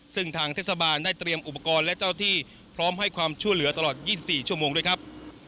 ซึ่งทางเทศบาลได้เตรียมอุปกรณ์และเจ้าที่พร้อมให้ความช่วยเหลือตลอด๒๔ชั่วโมงด้วยครับ